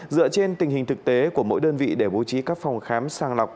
dựa trên tình hình thực tế của mỗi đơn vị để bố trí các phòng khám sàng lọc